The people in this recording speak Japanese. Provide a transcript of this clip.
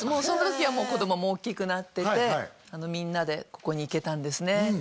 その時はもう子供も大きくなっててみんなでここに行けたんですね